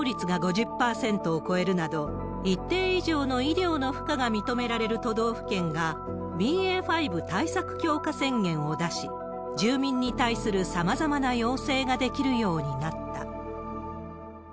病床使用率が５０％を超えるなど、一定以上の医療の負荷が認められる都道府県が、ＢＡ．５対策強化宣言を出し、住民に対するさまざまな要請ができるようになった。